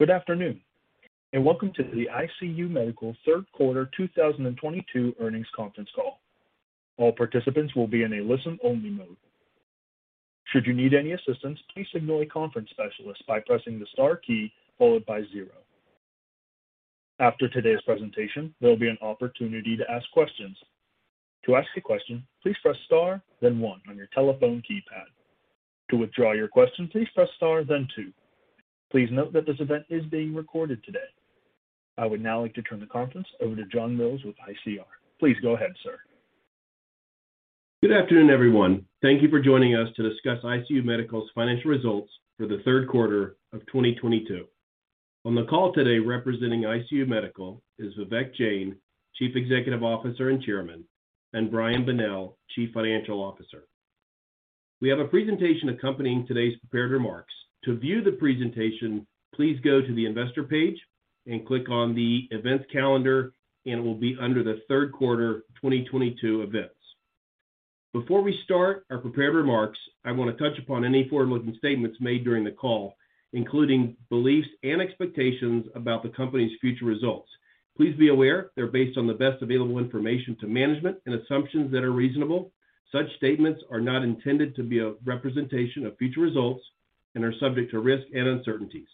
Good afternoon, and welcome to the ICU Medical Q3 2022 Earnings Conference Call. All participants will be in a listen-only mode. Should you need any assistance, please signal a conference specialist by pressing the star key followed by zero. After today's presentation, there'll be an opportunity to ask questions. To ask a question, please press star then one on your telephone keypad. To withdraw your question, please press star then two. Please note that this event is being recorded today. I would now like to turn the conference over to John Mills with ICR. Please go ahead, sir. Good afternoon, everyone. Thank you for joining us to discuss ICU Medical's financial results for the Q3 of 2022. On the call today representing ICU Medical is Vivek Jain, Chief Executive Officer and Chairman, and Brian Bonnell, Chief Financial Officer. We have a presentation accompanying today's prepared remarks. To view the presentation, please go to the investor page and click on the events calendar, and it will be under the Q3 2022 events. Before we start our prepared remarks, I wanna touch upon any forward-looking statements made during the call, including beliefs and expectations about the company's future results. Please be aware they're based on the best available information to management and assumptions that are reasonable. Such statements are not intended to be a representation of future results and are subject to risks and uncertainties.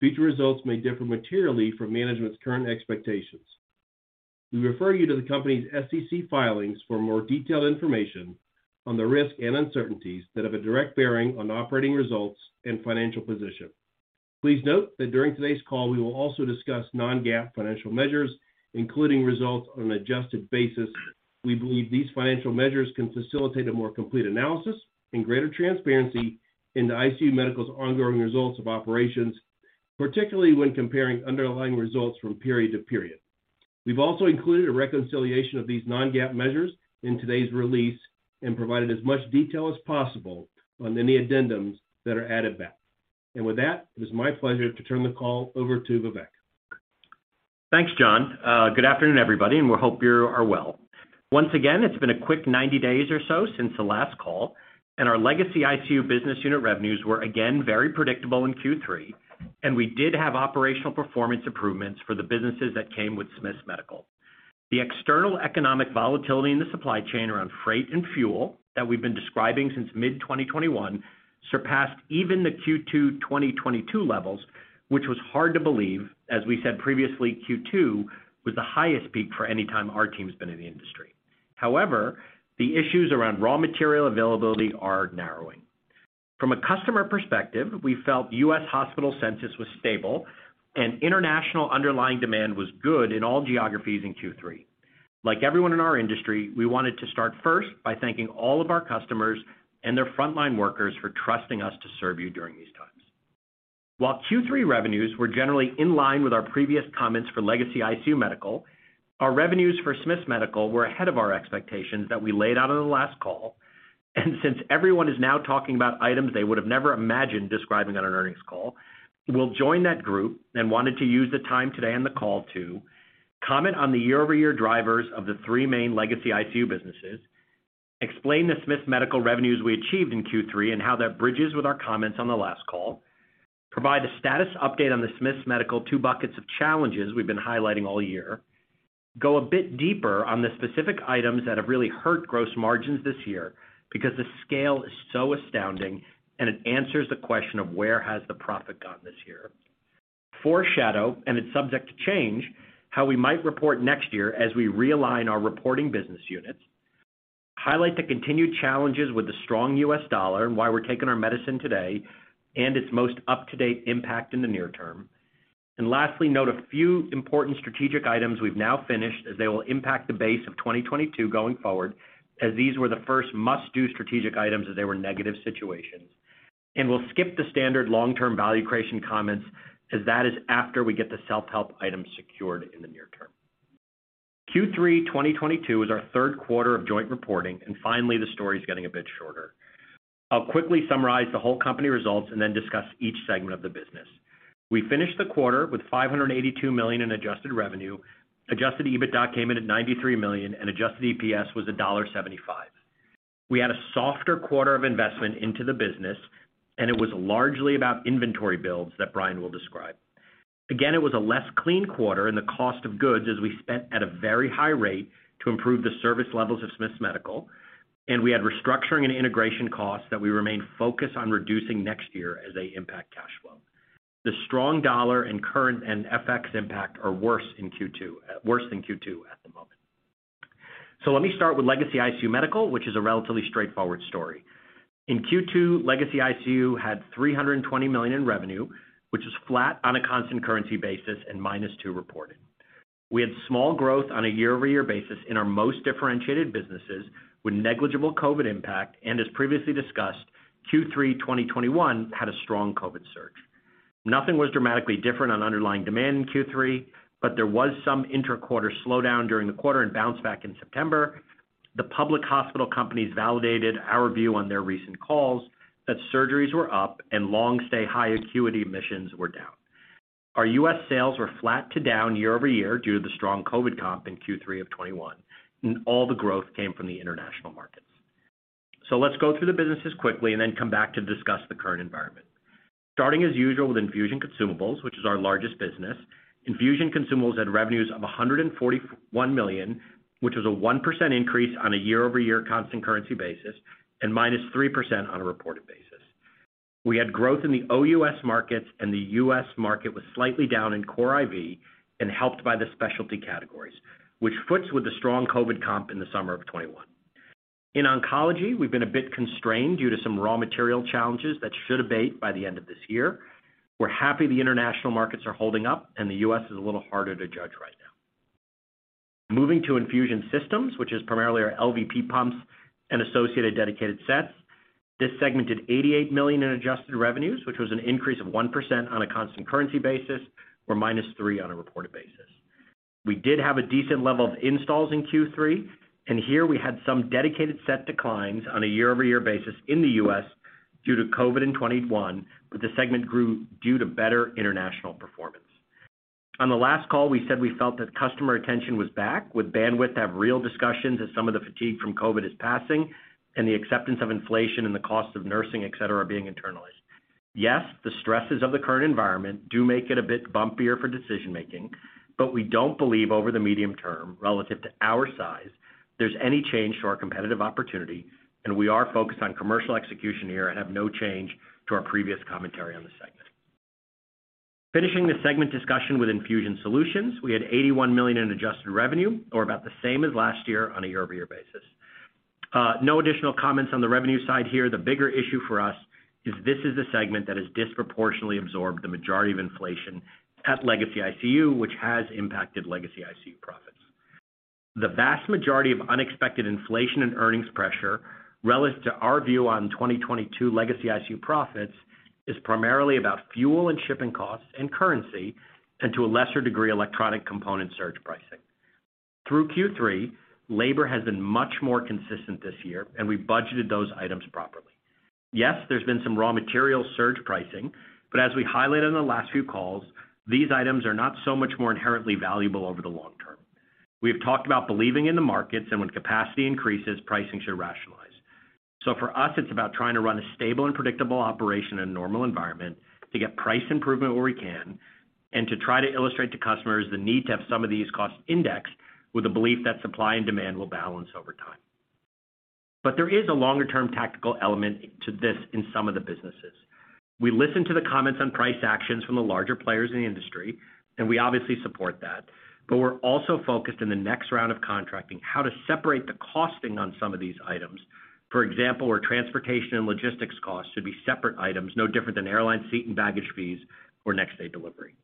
Future results may differ materially from management's current expectations. We refer you to the company's SEC filings for more detailed information on the risks and uncertainties that have a direct bearing on operating results and financial position. Please note that during today's call, we will also discuss non-GAAP financial measures, including results on an adjusted basis. We believe these financial measures can facilitate a more complete analysis and greater transparency into ICU Medical's ongoing results of operations, particularly when comparing underlying results from period to period. We've also included a reconciliation of these non-GAAP measures in today's release and provided as much detail as possible on any addendums that are added back. With that, it is my pleasure to turn the call over to Vivek. Thanks, John. Good afternoon, everybody, and we hope you are well. Once again, it's been a quick 90 days or so since the last call, and our legacy ICU business unit revenues were again very predictable in Q3, and we did have operational performance improvements for the businesses that came with Smiths Medical. The external economic volatility in the supply chain around freight and fuel that we've been describing since mid-2021 surpassed even the Q2 2022 levels, which was hard to believe. As we said previously, Q2 was the highest peak for any time our team's been in the industry. However, the issues around raw material availability are narrowing. From a customer perspective, we felt U.S. hospital census was stable and international underlying demand was good in all geographies in Q3. Like everyone in our industry, we wanted to start first by thanking all of our customers and their frontline workers for trusting us to serve you during these times. While Q3 revenues were generally in line with our previous comments for legacy ICU Medical, our revenues for Smiths Medical were ahead of our expectations that we laid out on the last call. Since everyone is now talking about items they would have never imagined describing on an earnings call, we'll join that group and wanted to use the time today on the call to comment on the year-over-year drivers of the three main legacy ICU businesses, explain the Smiths Medical revenues we achieved in Q3 and how that bridges with our comments on the last call, provide a status update on the Smiths Medical two buckets of challenges we've been highlighting all year, go a bit deeper on the specific items that have really hurt gross margins this year because the scale is so astounding, and it answers the question of where has the profit gone this year. Foreshadow, and it's subject to change, how we might report next year as we realign our reporting business units. Highlight the continued challenges with the strong U.S. dollar and why we're taking our medicine today and its most up-to-date impact in the near term. Lastly, note a few important strategic items we've now finished as they will impact the base of 2022 going forward, as these were the first must-do strategic items as they were negative situations. We'll skip the standard long-term value creation comments as that is after we get the self-help items secured in the near term. Q3 2022 is our Q3 of joint reporting, and finally the story's getting a bit shorter. I'll quickly summarize the whole company results and then discuss each segment of the business. We finished the quarter with $582 million in adjusted revenue. Adjusted EBITDA came in at $93 million, and Adjusted EPS was $1.75. We had a softer quarter of investment into the business, and it was largely about inventory builds that Brian will describe. Again, it was a less clean quarter in the cost of goods as we spent at a very high rate to improve the service levels of Smiths Medical, and we had restructuring and integration costs that we remain focused on reducing next year as they impact cash flow. The strong dollar and current and FX impact are worse than Q2 at the moment. Let me start with legacy ICU Medical, which is a relatively straightforward story. In Q2, legacy ICU had $320 million in revenue, which was flat on a constant currency basis and -2% reported. We had small growth on a year-over-year basis in our most differentiated businesses with negligible COVID impact, and as previously discussed, Q3 2021 had a strong COVID surge. Nothing was dramatically different on underlying demand in Q3, but there was some interquarter slowdown during the quarter and bounce back in September. The public hospital companies validated our view on their recent calls that surgeries were up and long stay high acuity admissions were down. Our U.S. sales were flat to down year over year due to the strong COVID comp in Q3 of 2021, and all the growth came from the international markets. Let's go through the businesses quickly and then come back to discuss the current environment. Starting as usual with Infusion Consumables, which is our largest business. Infusion Consumables had revenues of $141 million, which was a 1% increase on a year-over-year constant currency basis, and -3% on a reported basis. We had growth in the OUS markets, and the U.S. market was slightly down in core IV and helped by the specialty categories, which fits with the strong COVID comp in the summer of 2021. In oncology, we've been a bit constrained due to some raw material challenges that should abate by the end of this year. We're happy the international markets are holding up and the U.S. is a little harder to judge right now. Moving to Infusion Systems, which is primarily our LVP pumps and associated dedicated sets. This segment did $88 million in adjusted revenues, which was an increase of 1% on a constant currency basis, or -3% on a reported basis. We did have a decent level of installs in Q3, and here we had some dedicated set declines on a year-over-year basis in the U.S. due to COVID in 2021, but the segment grew due to better international performance. On the last call, we said we felt that customer attention was back with bandwidth to have real discussions as some of the fatigue from COVID is passing and the acceptance of inflation and the cost of nursing, et cetera, are being internalized. Yes, the stresses of the current environment do make it a bit bumpier for decision making, but we don't believe over the medium term, relative to our size, there's any change to our competitive opportunity, and we are focused on commercial execution here and have no change to our previous commentary on this segment. Finishing the segment discussion with infusion solutions, we had $81 million in adjusted revenue or about the same as last year on a year-over-year basis. No additional comments on the revenue side here. The bigger issue for us is this is a segment that has disproportionately absorbed the majority of inflation at Legacy ICU, which has impacted Legacy ICU profits. The vast majority of unexpected inflation and earnings pressure, relative to our view on 2022 Legacy ICU profits, is primarily about fuel and shipping costs and currency, and to a lesser degree, electronic component surge pricing. Through Q3, labor has been much more consistent this year, and we budgeted those items properly. Yes, there's been some raw material surge pricing, but as we highlighted on the last few calls, these items are not so much more inherently valuable over the long term. We have talked about believing in the markets and when capacity increases, pricing should rationalize. For us, it's about trying to run a stable and predictable operation in a normal environment to get price improvement where we can and to try to illustrate to customers the need to have some of these costs indexed with the belief that supply and demand will balance over time. There is a longer-term tactical element to this in some of the businesses. We listen to the comments on price actions from the larger players in the industry, and we obviously support that. We're also focused in the next round of contracting, how to separate the costing on some of these items. For example, where transportation and logistics costs should be separate items, no different than airline seat and baggage fees or next day delivery.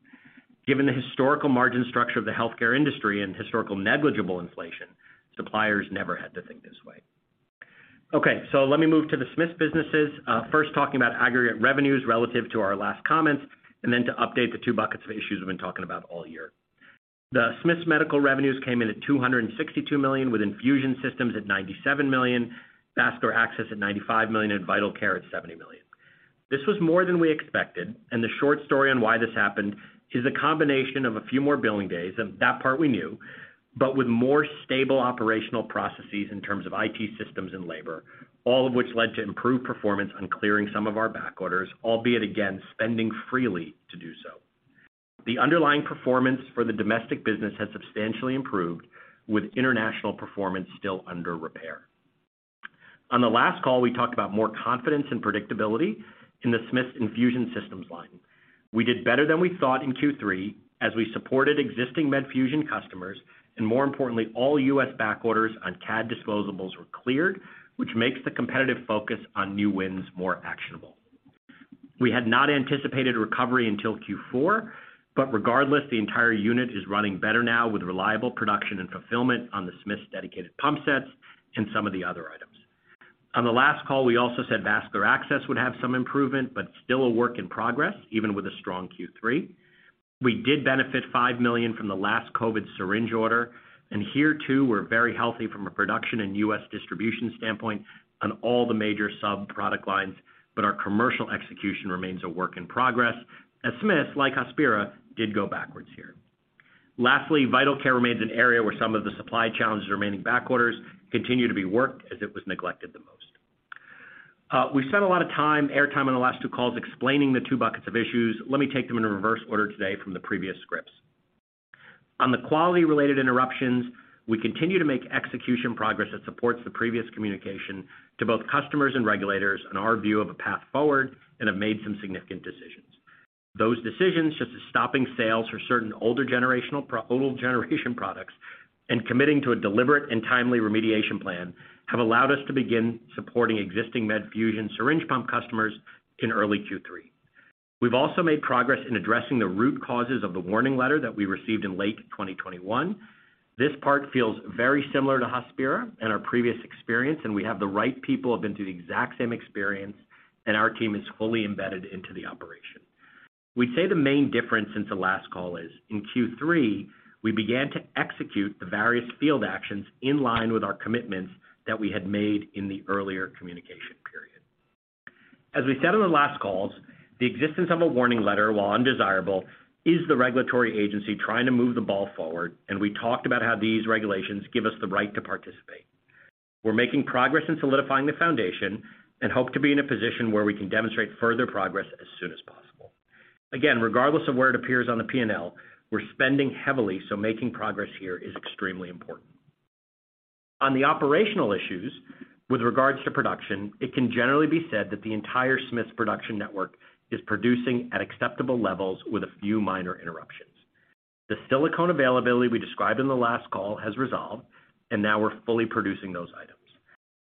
Given the historical margin structure of the healthcare industry and historical negligible inflation, suppliers never had to think this way. Okay, let me move to the Smiths Medical businesses. First talking about aggregate revenues relative to our last comments, and then to update the two buckets of issues we've been talking about all year. The Smiths Medical revenues came in at $262 million, with Infusion Systems at $97 million, Vascular Access at $95 million, and Vital Care at $70 million. This was more than we expected, and the short story on why this happened is a combination of a few more billing days, and that part we knew. With more stable operational processes in terms of IT systems and labor, all of which led to improved performance on clearing some of our back orders, albeit again, spending freely to do so. The underlying performance for the domestic business has substantially improved, with international performance still under repair. On the last call, we talked about more confidence and predictability in the Smiths Infusion Systems line. We did better than we thought in Q3 as we supported existing Medfusion customers, and more importantly, all U.S. back orders on CADD disposables were cleared, which makes the competitive focus on new wins more actionable. We had not anticipated recovery until Q4, but regardless, the entire unit is running better now with reliable production and fulfillment on the Smiths dedicated pump sets and some of the other items. On the last call, we also said Vascular Access would have some improvement, but still a work in progress, even with a strong Q3. We did benefit $5 million from the last COVID syringe order, and here too, we're very healthy from a production and U.S. distribution standpoint on all the major sub-product lines, but our commercial execution remains a work in progress as Smiths Medical, like Hospira, did go backwards here. Lastly, Vital Care remains an area where some of the supply challenges remaining back orders continue to be worked as it was neglected the most. We've spent a lot of time, air time on the last two calls explaining the two buckets of issues. Let me take them in a reverse order today from the previous scripts. On the quality related interruptions, we continue to make execution progress that supports the previous communication to both customers and regulators on our view of a path forward and have made some significant decisions. Those decisions, such as stopping sales for certain older generation products and committing to a deliberate and timely remediation plan, have allowed us to begin supporting existing Medfusion syringe pump customers in early Q3. We've also made progress in addressing the root causes of the warning letter that we received in late 2021. This part feels very similar to Hospira and our previous experience, and we have the right people who have been through the exact same experience, and our team is fully embedded into the operation. We'd say the main difference since the last call is in Q3, we began to execute the various field actions in line with our commitments that we had made in the earlier communication. As we said on the last calls, the existence of a warning letter, while undesirable, is the regulatory agency trying to move the ball forward, and we talked about how these regulations give us the right to participate. We're making progress in solidifying the foundation and hope to be in a position where we can demonstrate further progress as soon as possible. Again, regardless of where it appears on the P&L, we're spending heavily, so making progress here is extremely important. On the operational issues with regards to production, it can generally be said that the entire Smiths production network is producing at acceptable levels with a few minor interruptions. The silicone availability we described in the last call has resolved, and now we're fully producing those items.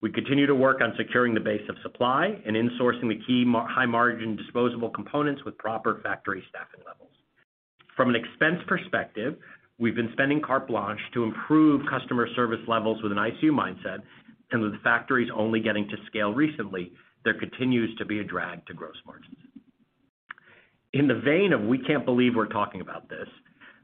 We continue to work on securing the base of supply and insourcing the key high-margin disposable components with proper factory staffing levels. From an expense perspective, we've been spending carte blanche to improve customer service levels with an ICU mindset, and with the factories only getting to scale recently, there continues to be a drag to gross margins. In the vein of we can't believe we're talking about this,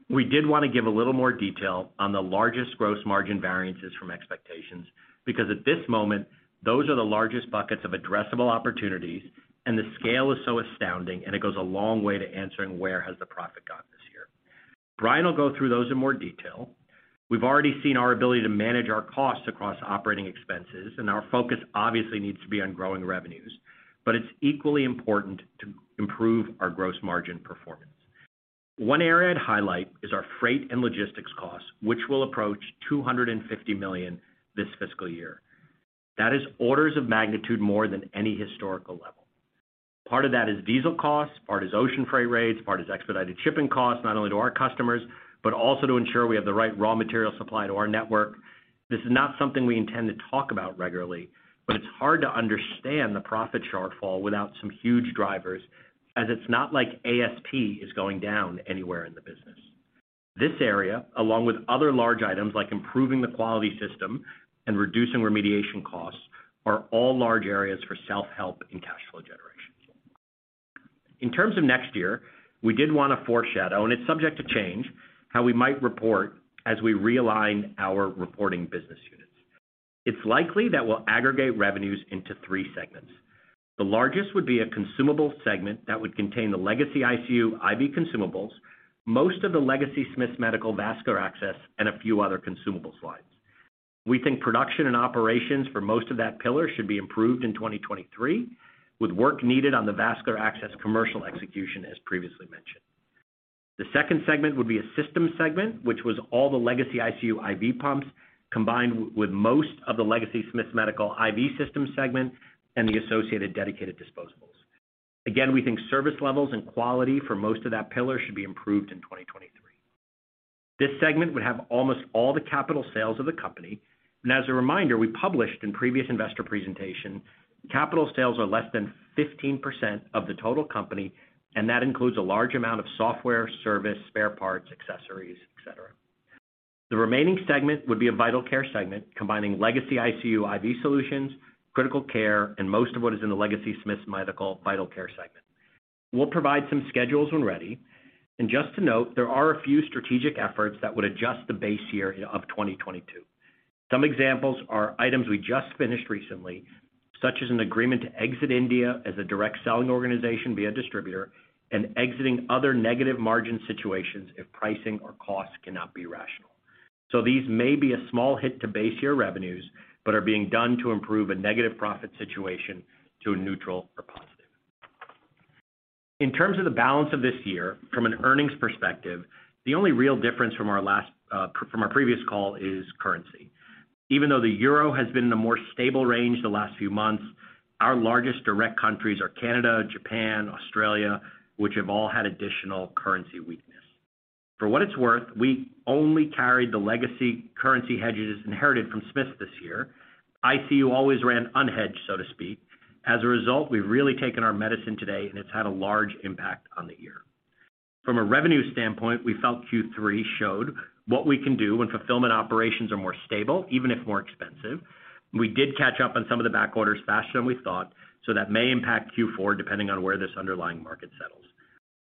we did want to give a little more detail on the largest gross margin variances from expectations, because at this moment, those are the largest buckets of addressable opportunities and the scale is so astounding, and it goes a long way to answering where has the profit gone this year. Brian Bonnell will go through those in more detail. We've already seen our ability to manage our costs across operating expenses, and our focus obviously needs to be on growing revenues. It's equally important to improve our gross margin performance. One area I'd highlight is our freight and logistics costs, which will approach $250 million this fiscal year. That is orders of magnitude more than any historical level. Part of that is diesel costs, part is ocean freight rates, part is expedited shipping costs, not only to our customers, but also to ensure we have the right raw material supply to our network. This is not something we intend to talk about regularly, but it's hard to understand the profit shortfall without some huge drivers, as it's not like ASP is going down anywhere in the business. This area, along with other large items like improving the quality system and reducing remediation costs, are all large areas for self-help and cash flow generation. In terms of next year, we did want to foreshadow, and it's subject to change, how we might report as we realign our reporting business units. It's likely that we'll aggregate revenues into three segments. The largest would be a consumable segment that would contain the legacy ICU IV consumables, most of the legacy Smiths Medical Vascular Access, and a few other consumable slides. We think production and operations for most of that pillar should be improved in 2023, with work needed on the vascular access commercial execution, as previously mentioned. The second segment would be a system segment, which was all the legacy ICU IV pumps, combined with most of the legacy Smiths Medical IV system segment and the associated dedicated disposables. Again, we think service levels and quality for most of that pillar should be improved in 2023. This segment would have almost all the capital sales of the company. As a reminder, we published in previous investor presentation, capital sales are less than 15% of the total company, and that includes a large amount of software, service, spare parts, accessories, etc. The remaining segment would be a Vital Care segment, combining legacy ICU IV Solutions, Critical Care, and most of what is in the legacy Smiths Medical Vital Care segment. We'll provide some schedules when ready, and just to note, there are a few strategic efforts that would adjust the base year of 2022. Some examples are items we just finished recently, such as an agreement to exit India as a direct selling organization via distributor and exiting other negative margin situations if pricing or cost cannot be rationalized. These may be a small hit to base year revenues, but are being done to improve a negative profit situation to a neutral or positive. In terms of the balance of this year, from an earnings perspective, the only real difference from our previous call is currency. Even though the euro has been in a more stable range the last few months, our largest direct countries are Canada, Japan, Australia, which have all had additional currency weakness. For what it's worth, we only carried the legacy currency hedges inherited from Smiths this year. ICU always ran unhedged, so to speak. As a result, we've really taken our medicine today, and it's had a large impact on the year. From a revenue standpoint, we felt Q3 showed what we can do when fulfillment operations are more stable, even if more expensive. We did catch up on some of the backorders faster than we thought, so that may impact Q4, depending on where this underlying market settles.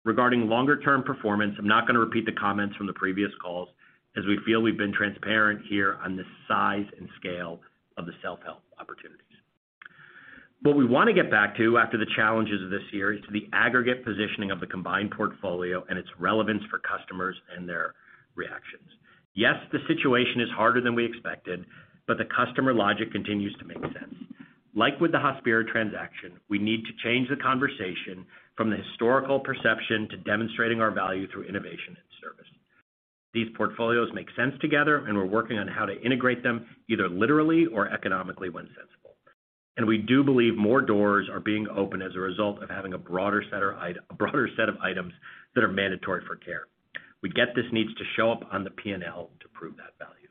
Regarding longer-term performance, I'm not going to repeat the comments from the previous calls, as we feel we've been transparent here on the size and scale of the self-help opportunities. What we want to get back to after the challenges of this year is to the aggregate positioning of the combined portfolio and its relevance for customers and their reactions. Yes, the situation is harder than we expected, but the customer logic continues to make sense. Like with the Hospira transaction, we need to change the conversation from the historical perception to demonstrating our value through innovation and service. These portfolios make sense together, and we're working on how to integrate them, either literally or economically when sensible. We do believe more doors are being open as a result of having a broader set of items that are mandatory for care. We get this needs to show up on the P&L to prove that value.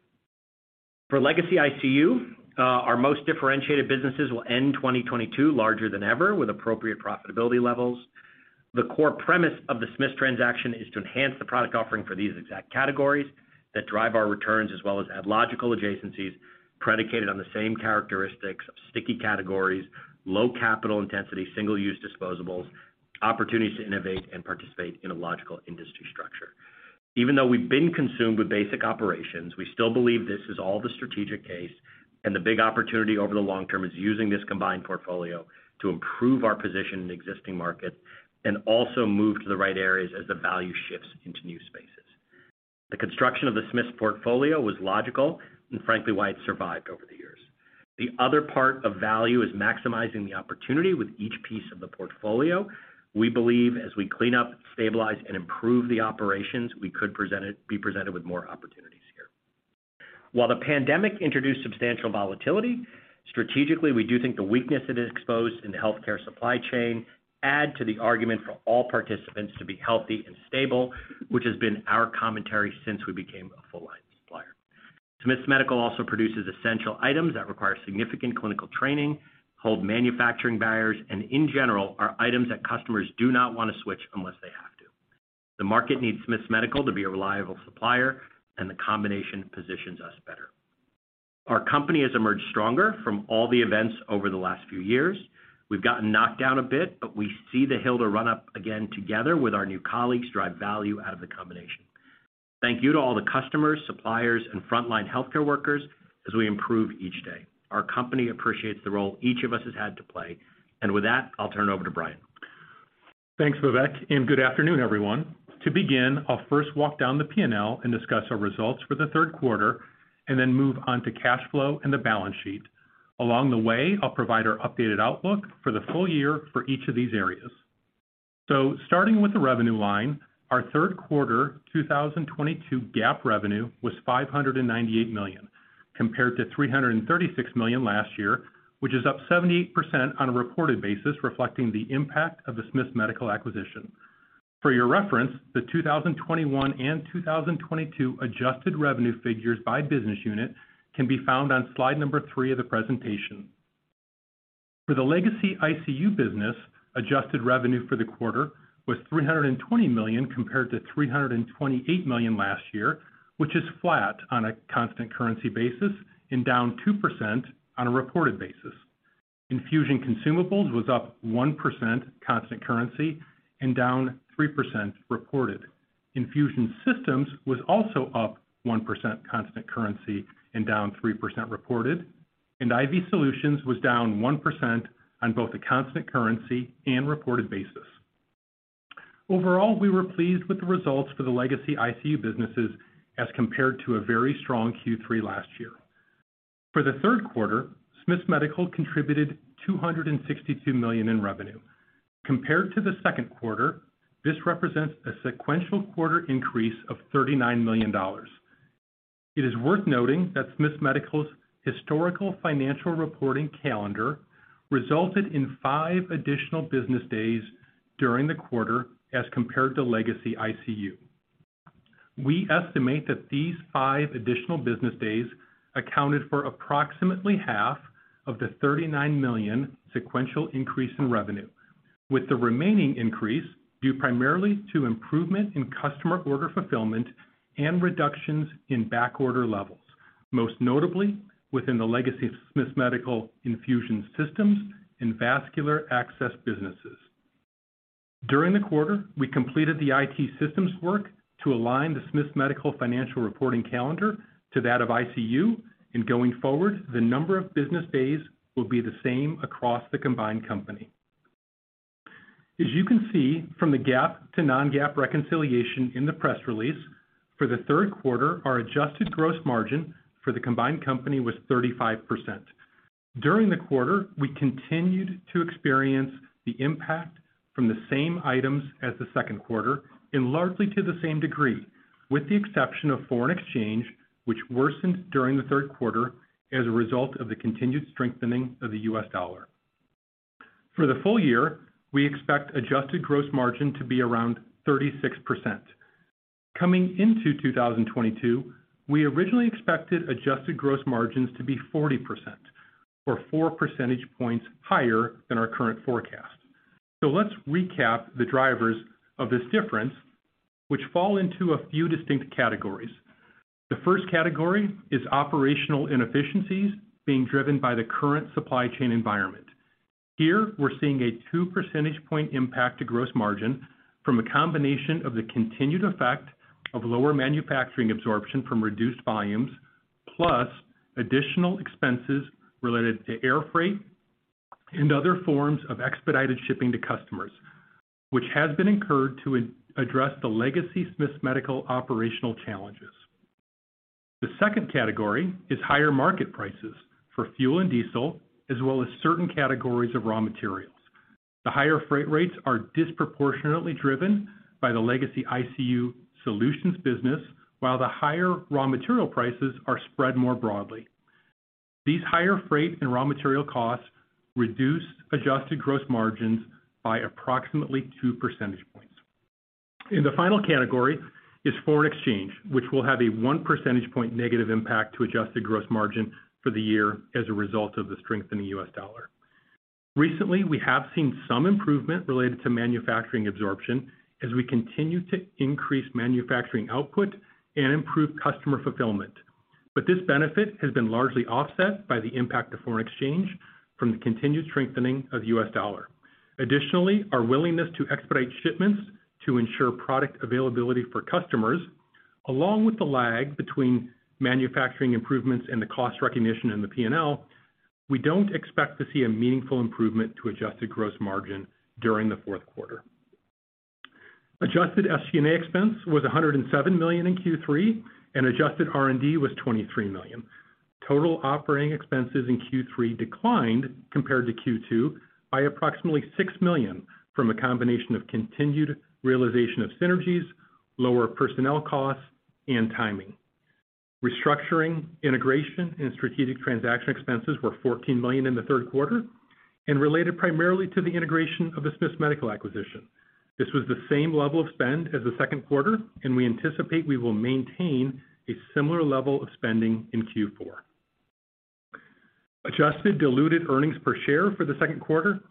For legacy ICU, our most differentiated businesses will end 2022 larger than ever with appropriate profitability levels. The core premise of the Smiths transaction is to enhance the product offering for these exact categories that drive our returns, as well as add logical adjacencies predicated on the same characteristics of sticky categories, low capital intensity, single-use disposables, opportunities to innovate and participate in a logical industry structure. Even though we've been consumed with basic operations, we still believe this is all the strategic case, and the big opportunity over the long term is using this combined portfolio to improve our position in existing markets and also move to the right areas as the value shifts into new spaces. The construction of the Smiths portfolio was logical and frankly, why it survived over the years. The other part of value is maximizing the opportunity with each piece of the portfolio. We believe as we clean up, stabilize, and improve the operations, we could be presented with more opportunities here. While the pandemic introduced substantial volatility, strategically, we do think the weakness it has exposed in the healthcare supply chain add to the argument for all participants to be healthy and stable, which has been our commentary since we became a full line supplier. Smiths Medical also produces essential items that require significant clinical training, hold manufacturing barriers, and in general, are items that customers do not want to switch unless they have to. The market needs Smiths Medical to be a reliable supplier, and the combination positions us better. Our company has emerged stronger from all the events over the last few years. We've gotten knocked down a bit, but we see the hill to run up again, together with our new colleagues, drive value out of the combination. Thank you to all the customers, suppliers, and frontline healthcare workers as we improve each day. Our company appreciates the role each of us has had to play. With that, I'll turn it over to Brian. Thanks, Vivek, and good afternoon, everyone. To begin, I'll first walk down the P&L and discuss our results for the Q3 and then move on to cash flow and the balance sheet. Along the way, I'll provide our updated outlook for the full year for each of these areas. Starting with the revenue line, our Q3 2022 GAAP revenue was $598 million, compared to $336 million last year, which is up 78% on a reported basis, reflecting the impact of the Smiths Medical acquisition. For your reference, the 2021 and 2022 adjusted revenue figures by business unit can be found on slide three of the presentation. For the legacy ICU business, adjusted revenue for the quarter was $320 million compared to $328 million last year, which is flat on a constant currency basis and down 2% on a reported basis. Infusion Consumables was up 1% constant currency and down 3% reported. Infusion Systems was also up 1% constant currency and down 3% reported, and IV Solutions was down 1% on both a constant currency and reported basis. Overall, we were pleased with the results for the legacy ICU businesses as compared to a very strong Q3 last year. For the Q3, Smiths Medical contributed $262 million in revenue. Compared to the Q2, this represents a sequential quarter increase of $39 million. It is worth noting that Smiths Medical's historical financial reporting calendar resulted in five additional business days during the quarter as compared to legacy ICU. We estimate that these five additional business days accounted for approximately half of the $39 million sequential increase in revenue, with the remaining increase due primarily to improvement in customer order fulfillment and reductions in back order levels, most notably within the legacy of Smiths Medical Infusion Systems and Vascular Access businesses. During the quarter, we completed the IT systems work to align the Smiths Medical financial reporting calendar to that of ICU, and going forward, the number of business days will be the same across the combined company. As you can see from the GAAP to non-GAAP reconciliation in the press release, for the Q3, our Adjusted gross margin for the combined company was 35%. During the quarter, we continued to experience the impact from the same items as the Q2 and largely to the same degree, with the exception of foreign exchange, which worsened during the Q3 as a result of the continued strengthening of the U.S. dollar. For the full year, we expect Adjusted gross margin to be around 36%. Coming into 2022, we originally expected Adjusted gross margins to be 40% or four percentage points higher than our current forecast. Let's recap the drivers of this difference, which fall into a few distinct categories. The first category is operational inefficiencies being driven by the current supply chain environment. Here, we're seeing a two percentage point impact to gross margin from a combination of the continued effect of lower manufacturing absorption from reduced volumes, plus additional expenses related to air freight and other forms of expedited shipping to customers, which has been incurred to address the legacy Smiths Medical operational challenges. The second category is higher market prices for fuel and diesel, as well as certain categories of raw materials. The higher freight rates are disproportionately driven by the legacy Infusion Solutions business, while the higher raw material prices are spread more broadly. These higher freight and raw material costs reduce Adjusted gross margins by approximately two percentage points. The final category is foreign exchange, which will have a one percentage point negative impact to Adjusted gross margin for the year as a result of the strength in the U.S. dollar. Recently, we have seen some improvement related to manufacturing absorption as we continue to increase manufacturing output and improve customer fulfillment. This benefit has been largely offset by the impact of foreign exchange from the continued strengthening of U.S. dollar. Additionally, our willingness to expedite shipments to ensure product availability for customers, along with the lag between manufacturing improvements and the cost recognition in the P&L, we don't expect to see a meaningful improvement to Adjusted gross margin during the Q4. Adjusted SG&A expense was $107 million in Q3, and Adjusted R&D was $23 million. Total operating expenses in Q3 declined compared to Q2 by approximately $6 million from a combination of continued realization of synergies, lower personnel costs, and timing. Restructuring, integration, and strategic transaction expenses were $14 million in the Q3 and related primarily to the integration of the Smiths Medical acquisition. This was the same level of spend as the Q2, and we anticipate we will maintain a similar level of spending in Q4. Adjusted diluted earnings per share for the Q3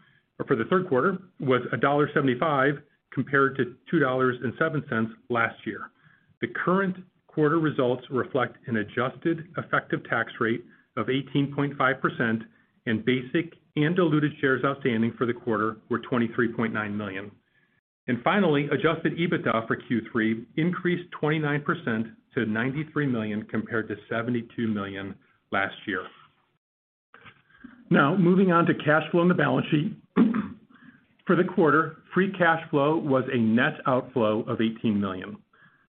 was $1.75 compared to $2.07 last year. The current quarter results reflect an adjusted effective tax rate of 18.5%, and basic and diluted shares outstanding for the quarter were 23.9 million. Finally, Adjusted EBITDA for Q3 increased 29% to $93 million compared to $72 million last year. Now, moving on to cash flow and the balance sheet. For the quarter, free cash flow was a net outflow of $18 million.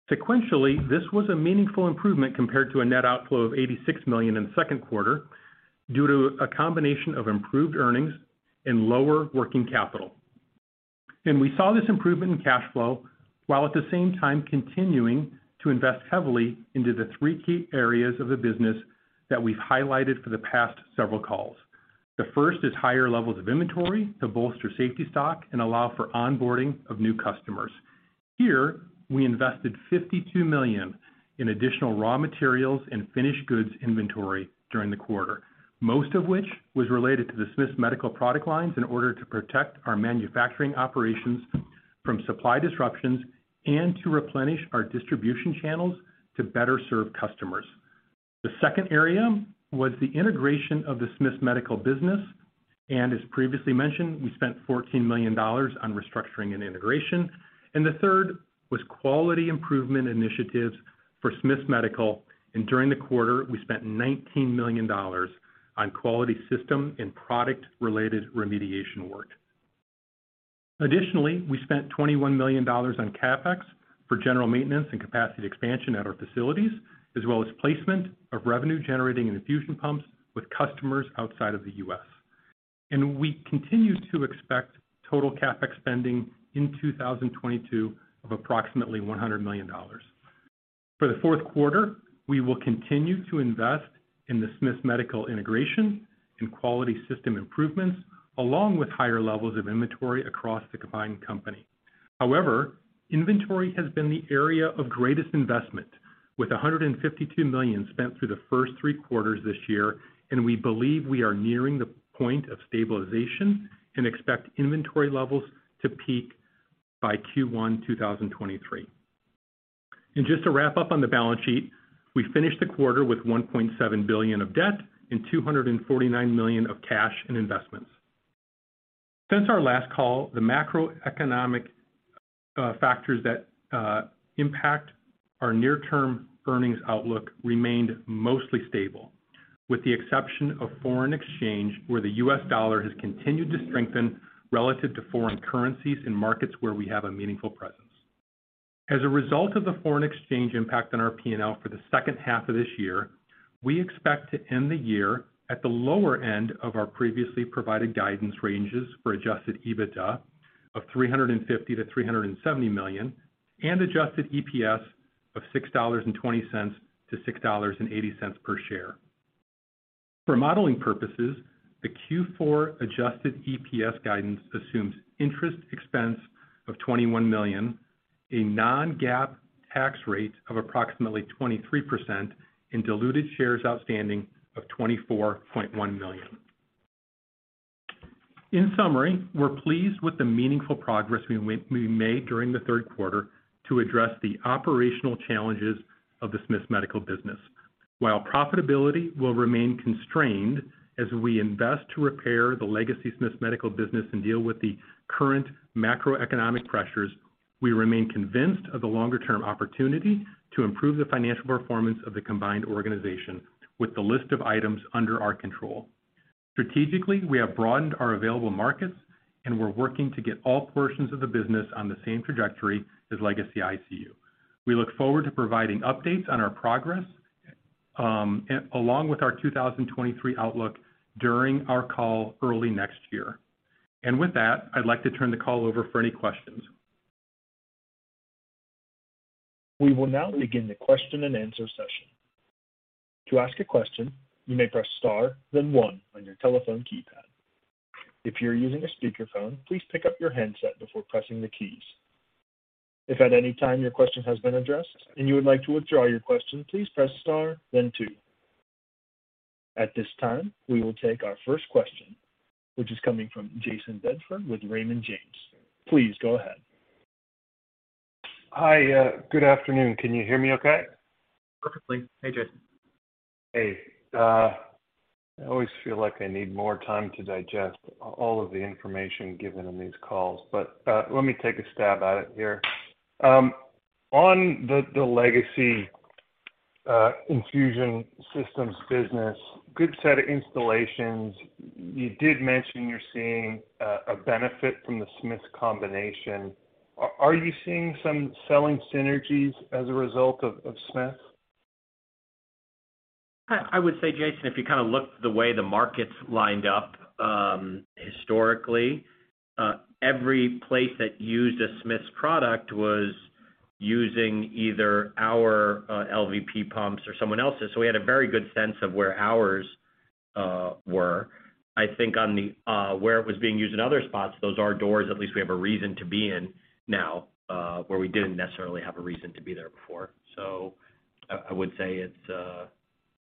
Sequentially, this was a meaningful improvement compared to a net outflow of $86 million in the Q2 due to a combination of improved earnings and lower working capital. We saw this improvement in cash flow while at the same time continuing to invest heavily into the three key areas of the business that we've highlighted for the past several calls. The first is higher levels of inventory to bolster safety stock and allow for onboarding of new customers. Here, we invested $52 million in additional raw materials and finished goods inventory during the quarter, most of which was related to the Smiths Medical product lines in order to protect our manufacturing operations from supply disruptions and to replenish our distribution channels to better serve customers. The second area was the integration of the Smiths Medical business. As previously mentioned, we spent $14 million on restructuring and integration. The third was quality improvement initiatives for Smiths Medical. During the quarter, we spent $19 million on quality system and product-related remediation work. Additionally, we spent $21 million on CapEx for general maintenance and capacity expansion at our facilities, as well as placement of revenue generating infusion pumps with customers outside of the U.S. We continue to expect total CapEx spending in 2022 of approximately $100 million. For the Q4, we will continue to invest in the Smiths Medical integration and quality system improvements, along with higher levels of inventory across the combined company. However, inventory has been the area of greatest investment, with $152 million spent through the first three quarters this year, and we believe we are nearing the point of stabilization and expect inventory levels to peak by Q1 2023. Just to wrap up on the balance sheet, we finished the quarter with $1.7 billion of debt and $249 million of cash and investments. Since our last call, the macroeconomic factors that impact our near-term earnings outlook remained mostly stable, with the exception of foreign exchange, where the U.S. dollar has continued to strengthen relative to foreign currencies in markets where we have a meaningful presence. As a result of the foreign exchange impact on our P&L for the second half of this year, we expect to end the year at the lower end of our previously provided guidance ranges for Adjusted EBITDA of $350 million-$370 million and Adjusted EPS of $6.20-$6.80 per share. For modeling purposes, the Q4 Adjusted EPS guidance assumes interest expense of $21 million, a non-GAAP tax rate of approximately 23%, and diluted shares outstanding of 24.1 million. In summary, we're pleased with the meaningful progress we made during the Q3 to address the operational challenges of the Smiths Medical business. While profitability will remain constrained as we invest to repair the legacy Smiths Medical business and deal with the current macroeconomic pressures, we remain convinced of the longer-term opportunity to improve the financial performance of the combined organization with the list of items under our control. Strategically, we have broadened our available markets, and we're working to get all portions of the business on the same trajectory as legacy ICU. We look forward to providing updates on our progress, along with our 2023 outlook during our call early next year. With that, I'd like to turn the call over for any questions. We will now begin the question and answer session. To ask a question, you may press star, then one on your telephone keypad. If you're using a speakerphone, please pick up your handset before pressing the keys. If at any time your question has been addressed and you would like to withdraw your question, please press star, then two. At this time, we will take our first question, which is coming from Jayson Bedford with Raymond James. Please go ahead. Hi, good afternoon. Can you hear me okay? Perfectly. Hey, Jayson. Hey. I always feel like I need more time to digest all of the information given in these calls, but let me take a stab at it here. On the legacy infusion systems business, good set of installations. You did mention you're seeing a benefit from the Smiths combination. Are you seeing some selling synergies as a result of Smiths? I would say, Jayson, if you kind of look the way the market's lined up, historically, every place that used a Smiths product was using either our LVP pumps or someone else's. We had a very good sense of where ours were. I think on the where it was being used in other spots, those are doors at least we have a reason to be in now, where we didn't necessarily have a reason to be there before. I would say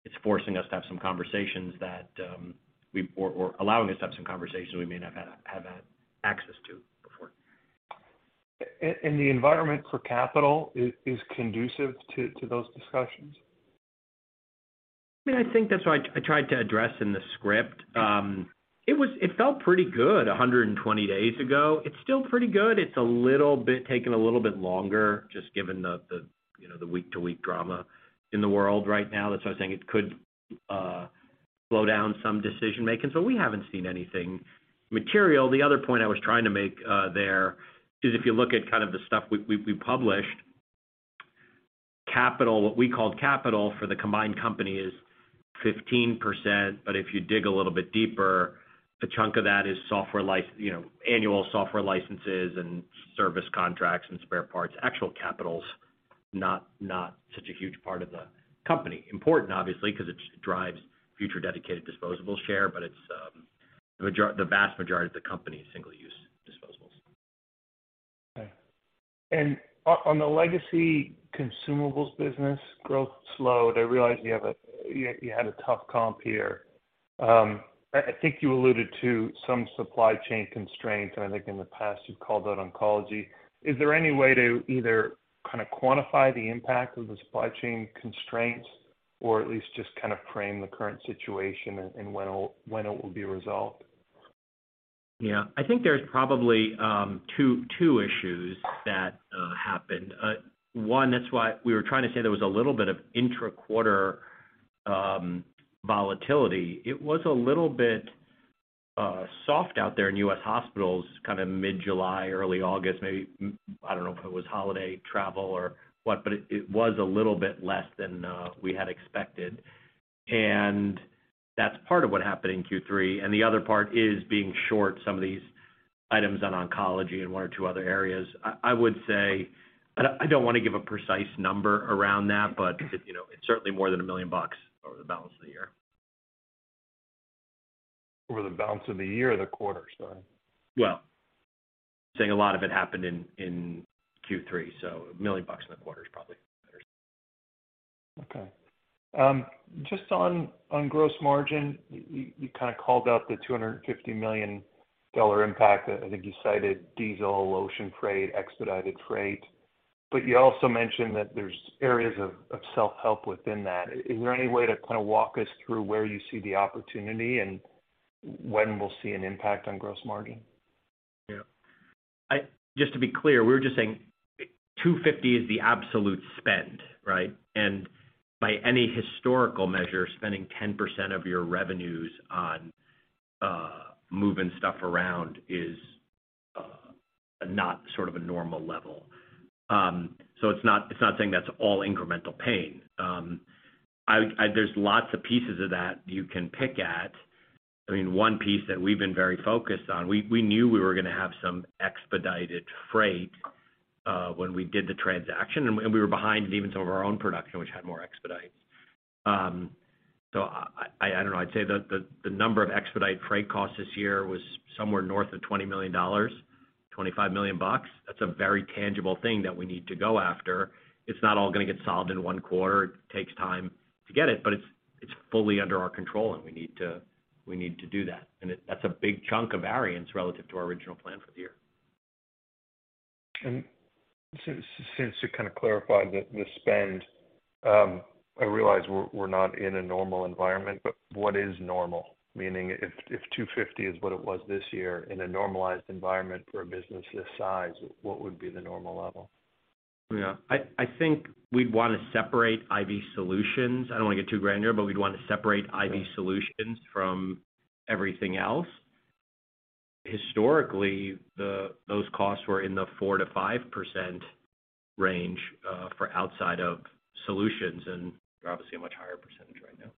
it's forcing us to have some conversations that we or allowing us to have some conversations we may not have had access to before. The environment for capital is conducive to those discussions? I mean, I think that's what I tried to address in the script. It felt pretty good 120 days ago. It's still pretty good. It's a little bit taken a little bit longer just given the you know, the week-to-week drama in the world right now. That's why I was saying it could slow down some decision-making. We haven't seen anything material. The other point I was trying to make there is if you look at kind of the stuff we published, capital, what we called capital for the combined company is 15%, but if you dig a little bit deeper, a chunk of that is software you know, annual software licenses and service contracts and spare parts. Actual capital's not such a huge part of the company. Important, obviously, 'cause it drives future dedicated disposable share, but it's the vast majority of the company is single-use disposables. Okay. On the legacy consumables business, growth slowed. I realize you had a tough comp here. I think you alluded to some supply chain constraints, and I think in the past, you've called out oncology. Is there any way to either kind of quantify the impact of the supply chain constraints or at least just kind of frame the current situation and when it will be resolved? Yeah. I think there's probably two issues that happened. One, that's why we were trying to say there was a little bit of intra-quarter volatility. It was a little bit soft out there in U.S. hospitals kind of mid-July, early August, maybe. I don't know if it was holiday travel or what, but it was a little bit less than we had expected. That's part of what happened in Q3, and the other part is being short some of these items on oncology and one or two other areas. I would say. I don't wanna give a precise number around that, but you know, it's certainly more than $1 million over the balance of the year. Over the balance of the year or the quarter, sorry? Well, saying a lot of it happened in Q3, so $1 million in the quarter is probably a better statement. Okay. Just on gross margin, you kind of called out the $250 million impact. I think you cited diesel, ocean freight, expedited freight, but you also mentioned that there's areas of self-help within that. Is there any way to kind of walk us through where you see the opportunity and when we'll see an impact on gross margin? Yeah. Just to be clear, we were just saying 250 is the absolute spend, right? By any historical measure, spending 10% of your revenues on moving stuff around is not sort of a normal level. It's not saying that's all incremental pain. There's lots of pieces of that you can pick at. I mean, one piece that we've been very focused on, we knew we were gonna have some expedited freight when we did the transaction, and we were behind in even some of our own production, which had more expedite. I don't know. I'd say the number of expedite freight costs this year was somewhere north of $20 million, $25 million bucks. That's a very tangible thing that we need to go after. It's not all gonna get solved in one quarter. It takes time to get it, but it's fully under our control, and we need to do that. It, that's a big chunk of variance relative to our original plan for the year. Since you kind of clarified the spend, I realize we're not in a normal environment, but what is normal? Meaning if $250 is what it was this year in a normalized environment for a business this size, what would be the normal level? Yeah. I think we'd wanna separate IV Solutions. I don't wanna get too granular, but we'd want to separate IV Solutions from everything else. Historically, those costs were in the 4%-5% range for outside of solutions, and we're obviously a much higher percentage right now.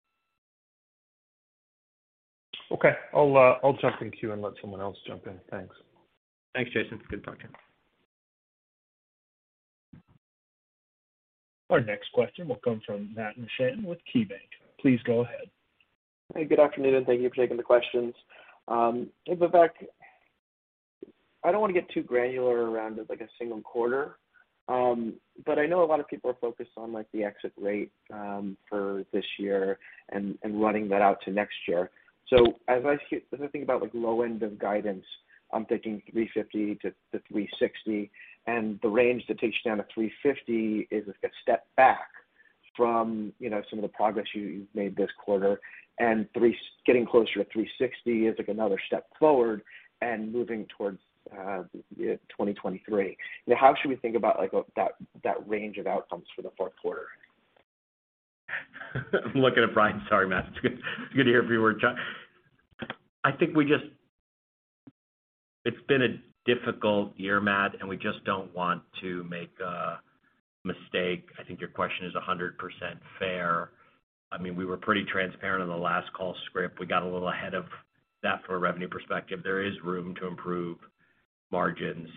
Okay. I'll jump in queue and let someone else jump in. Thanks. Thanks, Jayson. Good talking. Our next question will come from Matt Mishan with KeyBanc. Please go ahead. Hey, good afternoon, and thank you for taking the questions. Hey, Vivek. I don't wanna get too granular around it like a single quarter, but I know a lot of people are focused on, like, the exit rate for this year and running that out to next year. If I think about, like, low end of guidance, I'm thinking $350-$360, and the range that takes you down to $350 is a step back from, you know, some of the progress you've made this quarter and getting closer to $360 is, like, another step forward and moving towards 2023. Now, how should we think about, like, that range of outcomes for the Q4? I'm looking at Brian. Sorry, Matt. It's good to hear every word. I think we just. It's been a difficult year, Matt, and we just don't want to make a mistake. I think your question is 100% fair. I mean, we were pretty transparent on the last call script. We got a little ahead of that from a revenue perspective. There is room to improve margins.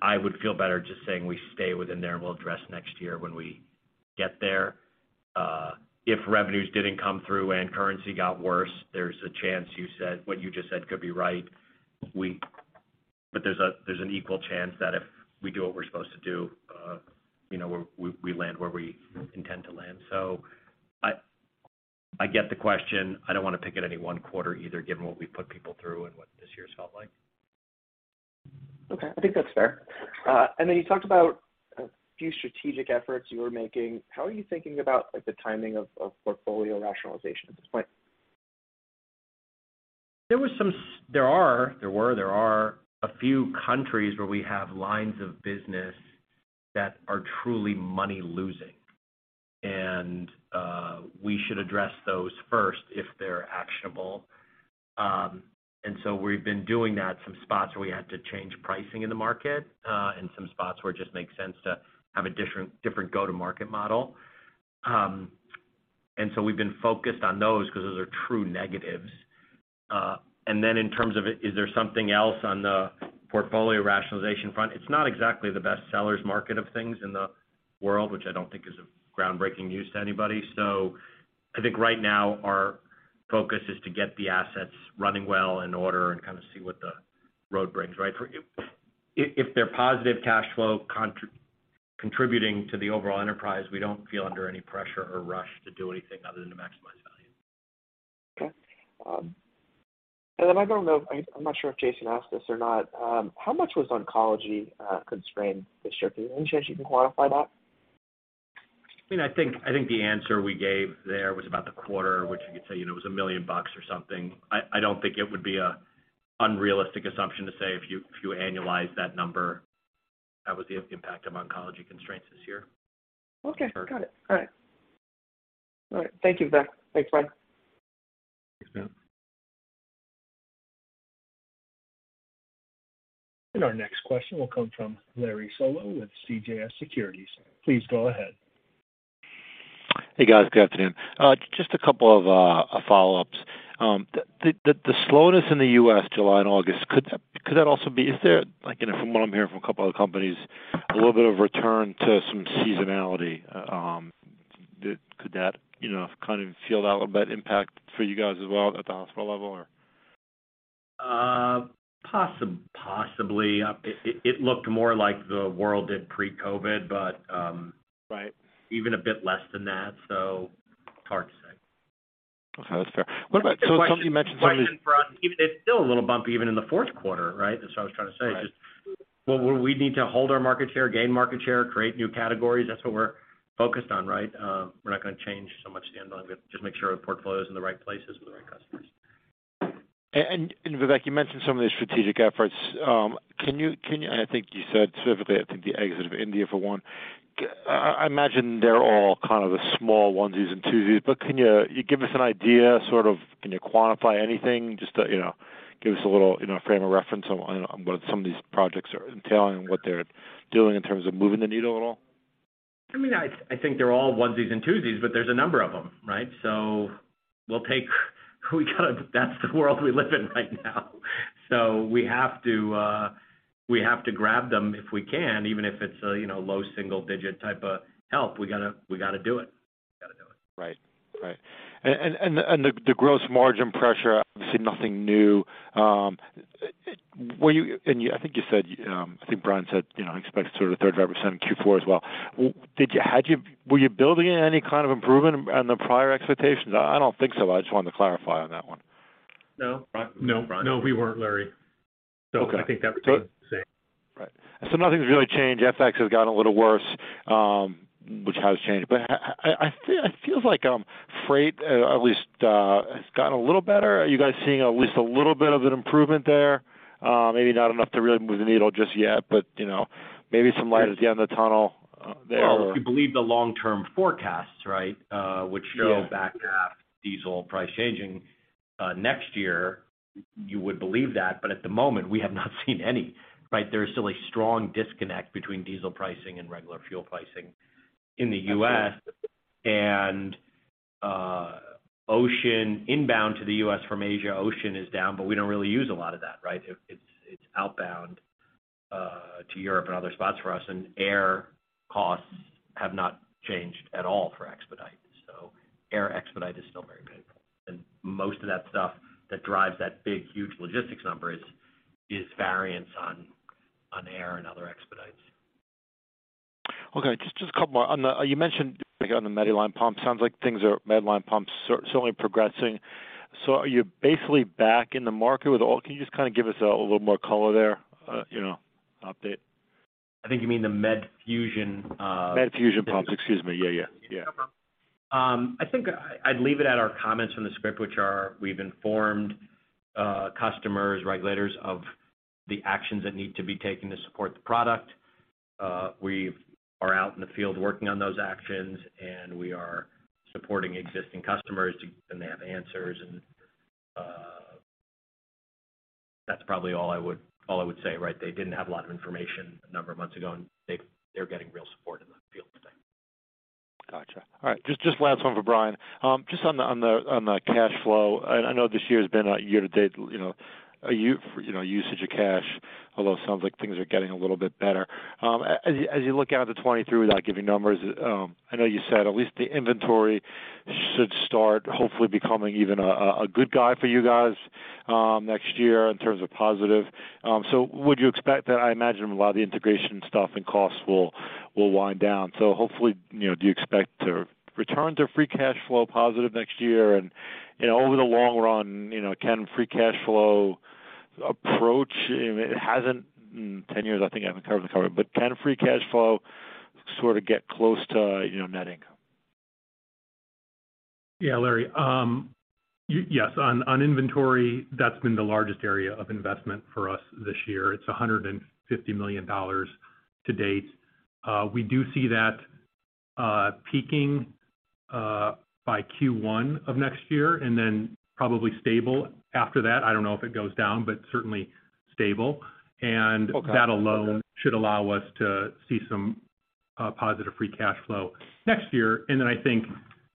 I would feel better just saying we stay within there and we'll address next year when we get there. If revenues didn't come through and currency got worse, there's a chance what you just said could be right. But there's an equal chance that if we do what we're supposed to do, you know, we land where we intend to land. I get the question. I don't wanna pick at any one quarter either, given what we've put people through and what this year's felt like. Okay. I think that's fair. You talked about a few strategic efforts you were making. How are you thinking about, like, the timing of portfolio rationalization at this point? There are a few countries where we have lines of business that are truly money-losing, and we should address those first if they're actionable. We've been doing that. Some spots where we had to change pricing in the market, and some spots where it just makes sense to have a different go-to market model. We've been focused on those because those are true negatives. In terms of it, is there something else on the portfolio rationalization front? It's not exactly the best seller's market of things in the world, which I don't think is groundbreaking news to anybody. I think right now our focus is to get the assets running well, in order, and kind of see what the road brings, right? If they're positive cash flow contributing to the overall enterprise, we don't feel under any pressure or rush to do anything other than to maximize value. Okay. I'm not sure if Jayson asked this or not. How much was oncology constrained this year? Is there any chance you can quantify that? I mean, I think the answer we gave there was about the quarter, which you could say, you know, was $1 million or something. I don't think it would be an unrealistic assumption to say if you annualize that number, that was the impact of oncology constraints this year. Okay. Got it. All right. Thank you, Vivek. Thanks, Brian. Thanks, Matt. Our next question will come from Larry Solow with CJS Securities. Please go ahead. Hey, guys. Good afternoon. Just a couple of follow-ups. The slowness in the U.S., July and August, could that also be? Is there, like, you know, from what I'm hearing from a couple other companies, a little bit of return to some seasonality? Could that, you know, kind of feel that impact for you guys as well at the hospital level or? Possibly. It looked more like the world did pre-COVID, but Even a bit less than that, so it's hard to say. Okay. That's fair. What about. It's still a little bumpy even in the Q4, right? That's what I was trying to say. Right. Just where we need to hold our market share, gain market share, create new categories, that's what we're focused on, right? We're not gonna change so much the underlying, but just make sure our portfolio is in the right places with the right customers. Vivek, you mentioned some of the strategic efforts. Can you and I think you said specifically, I think the exit of India for one. I imagine they're all kind of the small onesies and twosies, but can you give us an idea, sort of can you quantify anything just to, you know, give us a little, you know, frame of reference on what some of these projects are entailing and what they're doing in terms of moving the needle at all? I mean, I think they're all onesies and twosies, but there's a number of them, right? That's the world we live in right now. We have to grab them if we can, even if it's a, you know, low single digit type of help, we got to do it. We got to do it. Right. The gross margin pressure, obviously nothing new. I think you said, I think Brian said, you know, expect sort of 30% in Q4 as well. Were you building in any kind of improvement on the prior expectations? I don't think so. I just wanted to clarify on that one. No, we weren't, Larry. Okay. I think that's been the same. Right. Nothing's really changed. FX has gotten a little worse, which has changed. But I feel like freight at least has gotten a little better. Are you guys seeing at least a little bit of an improvement there? Maybe not enough to really move the needle just yet, but you know, maybe some light at the end of the tunnel there. Well, if you believe the long-term forecasts, right, which show. Yeah Back half diesel price changing next year, you would believe that. But at the moment, we have not seen any, right? There's still a strong disconnect between diesel pricing and regular fuel pricing in the U.S. Ocean inbound to the U.S. from Asia, ocean is down, but we don't really use a lot of that, right? It's outbound to Europe and other spots for us, and air costs have not changed at all for expedite. Air expedite is still very painful. Most of that stuff that drives that big, huge logistics number is variance on air and other expedites. Okay, just a couple more. You mentioned on the Medline pumps. Sounds like things are slowly progressing. Are you basically back in the market with all? Can you just kind of give us a little more color there, you know, update? I think you mean the Medfusion. Medfusion pumps. Excuse me. Yeah. I think I'd leave it at our comments from the script, which are we've informed customers, regulators of the actions that need to be taken to support the product. We are out in the field working on those actions, and we are supporting existing customers to give them the answers. That's probably all I would say, right? They didn't have a lot of information a number of months ago, and they're getting real support in the field today. Got you. All right. Just last one for Brian. Just on the cash flow. I know this year's been a year to date, you know, usage of cash, although it sounds like things are getting a little bit better. As you look out at 2023, without giving numbers, I know you said at least the inventory should start hopefully becoming even a good guy for you guys, next year in terms of positive. Would you expect that. I imagine a lot of the integration stuff and costs will wind down. Hopefully, you know, do you expect to return to free cash flow positive next year? You know, over the long run, you know, can free cash flow approach. It hasn't in 10 years, I think. I haven't covered the company. Can free cash flow sort of get close to, you know, net income? Yeah, Larry. Yes, on inventory, that's been the largest area of investment for us this year. It's $150 million to date. We do see that peaking by Q1 of next year and then probably stable after that. I don't know if it goes down, but certainly stable. Okay. That alone should allow us to see some positive free cash flow next year. Then I think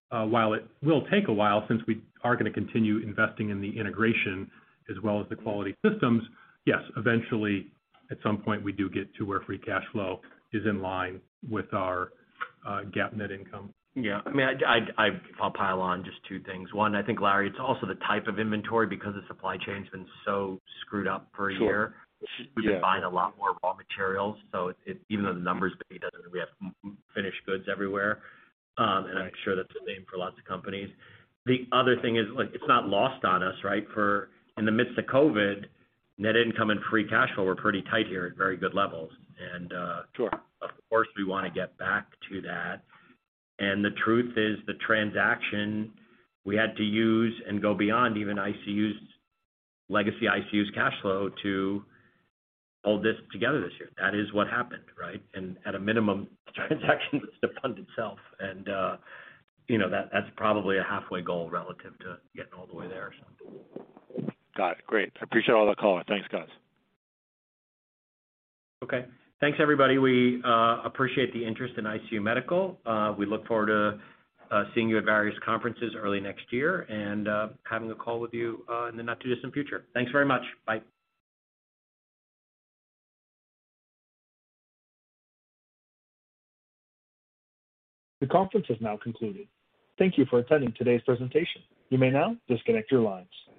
while it will take a while, since we are gonna continue investing in the integration as well as the quality systems, yes, eventually, at some point, we do get to where free cash flow is in line with our GAAP net income. Yeah. I mean, I'll pile on just two things. One, I think, Larry, it's also the type of inventory because the supply chain's been so screwed up for a year. Sure. Yeah. We're just buying a lot more raw materials, so even though the numbers may be doesn't mean we have finished goods everywhere. I'm sure that's the same for lots of companies. The other thing is, like, it's not lost on us, right? In the midst of COVID, net income and free cash flow were pretty tight here at very good levels. Sure. Of course, we wanna get back to that. The truth is the transaction we had to use and go beyond even ICU's legacy, ICU's cash flow to hold this together this year. That is what happened, right? At a minimum, the transaction has to fund itself. You know, that's probably a halfway goal relative to getting all the way there, so. Got it. Great. I appreciate all the color. Thanks, guys. Okay. Thanks, everybody. We appreciate the interest in ICU Medical. We look forward to seeing you at various conferences early next year and having a call with you in the not too distant future. Thanks very much. Bye. The conference has now concluded. Thank you for attending today's presentation. You may now disconnect your lines.